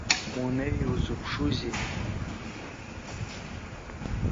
Унеи, узыԥшузеи?